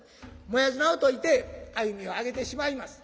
もやい綱を解いて歩みを揚げてしまいます。